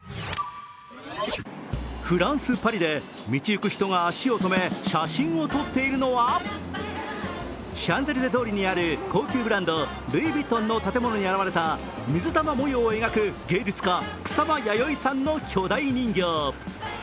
フランス・パリで道行く人が足を止め、写真を撮っているのはシャンゼリゼ通りにある高級ブランドルイ・ヴィトンの建物に現れた水玉模様を描く芸術家草間彌生さんの巨大人形。